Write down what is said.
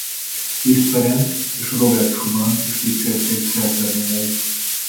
Liszt Ferenc és Robert Schumann is dicsérték szerzeményeit.